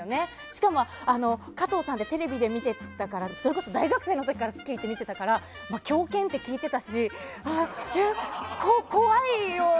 しかも加藤さんってテレビで見てたからそれこそ大学生の時から「スッキリ」って見てたから狂犬って聞いていたし怖いよ。